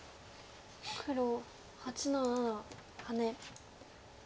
黒８の七ハネ。